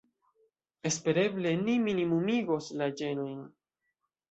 Espereble ni minimumigos la ĝenojn.